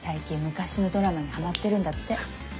近昔のドラマにハマってるんだって。